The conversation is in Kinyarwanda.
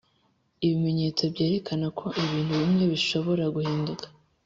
ibimenyetso byerekana ko ibintu bimwe bishobora guhinduka